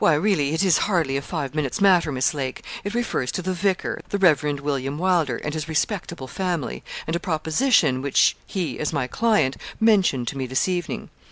'Why, really, it is hardly a five minutes' matter, Miss Lake. It refers to the vicar, the Rev. William Wylder, and his respectable family, and a proposition which he, as my client, mentioned to me this evening.